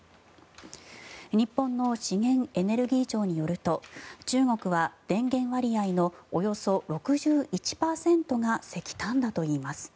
日本の資源エネルギー庁によると中国は電源割合のおよそ６１％が石炭だといいます。